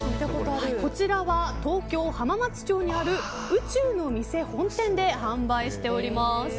こちらは東京・浜松町にある宇宙の店本店で販売しております。